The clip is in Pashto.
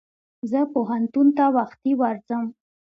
زه پوهنتون ته وختي ورځم.